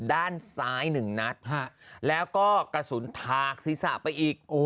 ด้านซ้ายหนึ่งนัดแล้วก็กระสุนถากศีรษะไปอีก